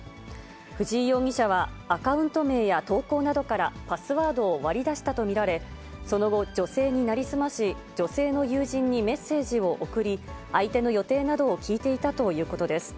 藤井容疑者は、アカウント名や投稿などからパスワードを割り出したと見られ、その後、女性に成り済まし、女性の友人にメッセージを送り、相手の予定などを聞いていたということです。